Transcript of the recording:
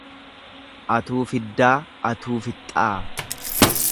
Atuu fiddaa atuu fixxaa.